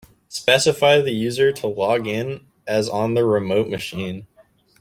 Specify the user to log in as on the remote machine.